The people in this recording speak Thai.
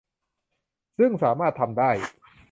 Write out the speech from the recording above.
ซึ่งสามารถทำได้